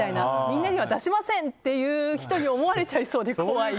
みんなには出しませんという人に思われちゃいそうで怖い。